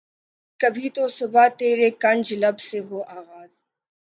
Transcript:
کبھی تو صبح ترے کنج لب سے ہو آغاز